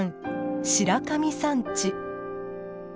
白神山地。